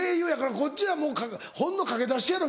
こっちはもうほんの駆け出しやろ？